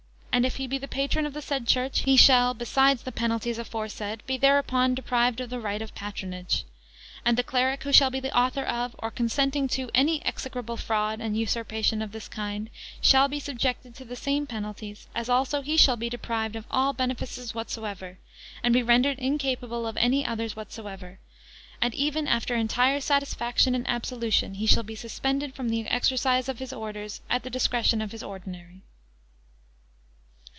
And if he be the patron of the said church, he shall, besides the penalties aforesaid, be thereupon deprived of the right of patronage. And the cleric who shall be the author of, or consenting to, any execrable fraud and usurpation of this kind, shall be subjected to the same penalties; as also he shall be deprived of all benefices whatsoever, and be rendered incapable of any others whatsoever; and ever after entire satisfaction and absolution, he shall be suspended from the exercise of his orders, at the discretion of his Ordinary.